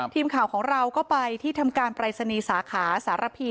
ทีมข่าวของเราก็ไปที่ทำการปรายศนีย์สาขาสารพี